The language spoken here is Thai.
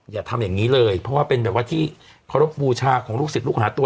อย่าทำอย่างนี้เลยเพราะว่าเป็นแบบว่าที่เคารพบูชาของลูกศิษย์ลูกหาตัว